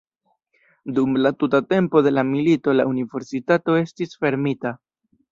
Dum la tuta tempo de la milito la universitato estis fermita.